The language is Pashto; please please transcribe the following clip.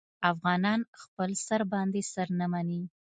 افغانان خپل سر باندې سر نه مني.